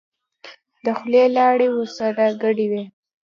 د خولې لاړې ورسره ګډوي.